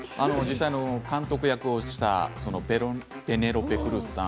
監督役をしたペネロペ・クルスさん